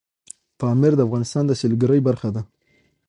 پامیر د افغانستان د سیلګرۍ برخه ده.